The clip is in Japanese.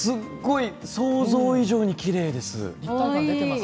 想像以上にきれいです。